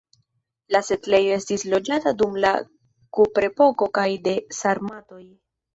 La setlejo estis loĝata dum la kuprepoko kaj de sarmatoj.